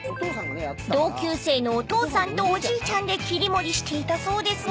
［同級生のお父さんとおじいちゃんで切り盛りしていたそうですが］